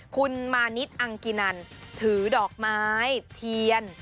คุณมานิดอังกินันถือดอกไม้เทียน